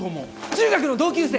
中学の同級生？